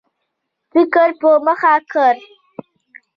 فکر په مخه کړ.